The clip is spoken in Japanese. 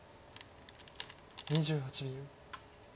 ２８秒。